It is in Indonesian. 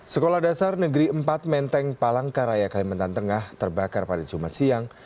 sekolah dasar negeri empat menteng palangkaraya kalimantan tengah terbakar pada jumat siang